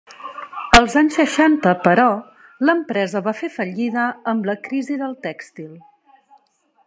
Als anys seixanta, però, l'empresa va fer fallida, amb la crisi del tèxtil.